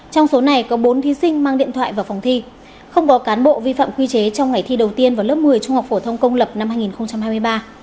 trong số này có bốn thí sinh mang điện thoại vào phòng thi không có cán bộ vi phạm quy chế trong ngày thi đầu tiên vào lớp một mươi trung học phổ thông công lập năm hai nghìn hai mươi ba